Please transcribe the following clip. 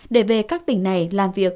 để về các tỉnh này làm việc